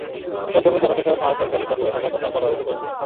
এসব জমি, জলাশয়সহ খাল সরকারের দখলে থাকার কথাও বলা হয়েছে তথ্যে।